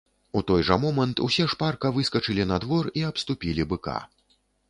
У той жа момант усе шпарка выскачылі на двор і абступілі быка.